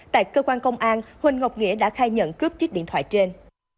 tại cơ quan công an huỳnh ngọc nghĩa đã khai nhận cướp chiếc điện thoại trên